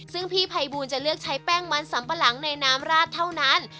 ซึ่งพี่ภัยบูลจะเลือกใช้แป้งมันสำปะหลังในน้ำราดเท่านั้น